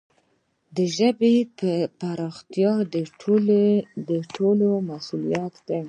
د ژبي پراختیا د ټولو مسؤلیت دی.